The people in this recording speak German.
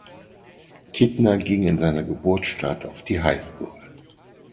Kittner ging in seiner Geburtsstadt auf die Highschool.